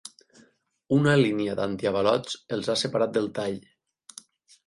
Una línia d’antiavalots els ha separat del tall.